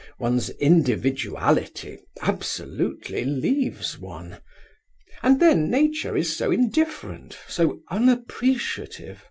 One's individuality absolutely leaves one. And then Nature is so indifferent, so unappreciative.